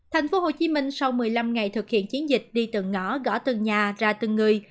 thành phố hồ chí minh sau một mươi năm ngày thực hiện chiến dịch đi từng ngõ gõ từng nhà ra từng người